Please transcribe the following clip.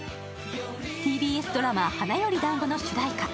ＴＢＳドラマ「花より男子」の主題歌。